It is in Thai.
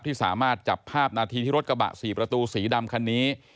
ที่สามารถจับภาพนาทีที่รถกระบะ๔ประตูสีดำคันนี้